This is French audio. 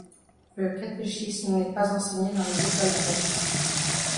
Le catéchisme n'est pas enseigné dans les écoles belges.